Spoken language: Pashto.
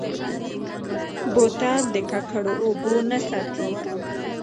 بوتل د ککړو اوبو نه ساتي.